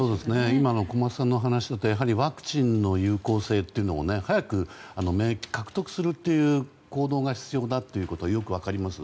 今の小松さんのお話だとワクチンの有効性というのを早く免疫獲得するという行動が必要だということがよく分かります。